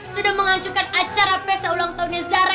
sudah mengajukan acara pesta ulang tahunnya zara